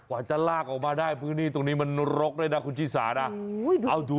กว่าจะลากออกมาได้พื้นที่นี่มันรกเลยนะคุณชิสานะ